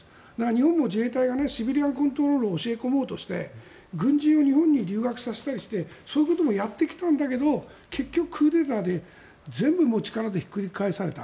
日本も自衛隊がシビリアンコントロールを教え込もうとして軍人を日本に留学させたりしてそういうこともやってきたんだけど結局、クーデターで全部力でひっくり返された。